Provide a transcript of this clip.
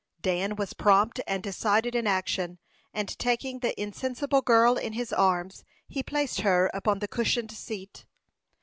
Dan was prompt and decided in action; and taking the insensible girl in his arms, he placed her upon the cushioned seat.